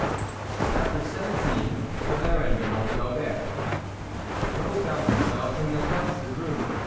T CHAPTER XVII THE BARON DE MONT GOBERT HIBAULT found himself in the Countess's room.